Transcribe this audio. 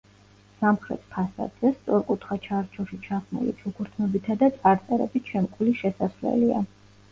სამხრეთ ფასადზე სწორკუთხა ჩარჩოში ჩასმული ჩუქურთმებითა და წარწერებით შემკული შესასვლელია.